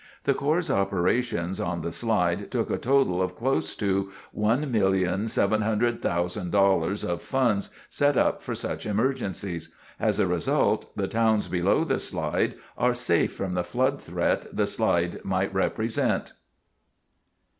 The Corps's operations on the slide took a total of close to $1,700,000 of funds set up for such emergencies. As a result, the towns below the slide are safe from the flood threat the slide might represent.